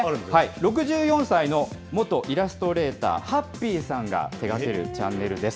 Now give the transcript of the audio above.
６４歳の元イラストレーター、ハッピーさんが手がけるチャンネルです。